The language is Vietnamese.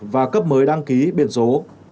và cấp mới đăng ký biển số